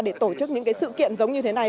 để tổ chức những cái sự kiện giống như thế này